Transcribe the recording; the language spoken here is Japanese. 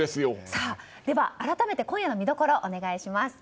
改めて、今夜の見どころお願いします。